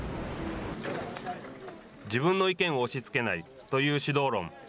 自分の意見を押しつけないという指導論。